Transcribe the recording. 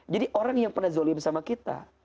jadi orang yang pernah zalim sama kita